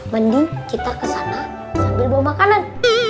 mending kita kesana sambil bawa makanan